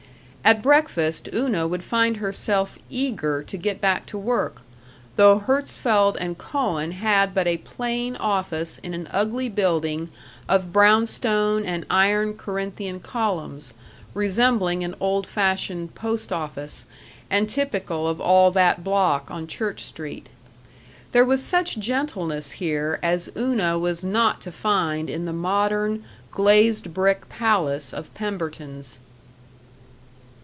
At breakfast Una would find herself eager to get back to work, though Herzfeld and Cohn had but a plain office in an ugly building of brownstone and iron Corinthian columns, resembling an old fashioned post office, and typical of all that block on Church Street. There was such gentleness here as Una was not to find in the modern, glazed brick palace of Pemberton's.